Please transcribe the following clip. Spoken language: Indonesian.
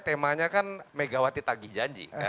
temanya kan megawati tagih janji